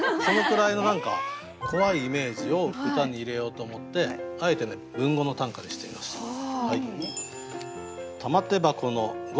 そのくらいの何か怖いイメージを歌に入れようと思ってあえてね文語の短歌にしてみました。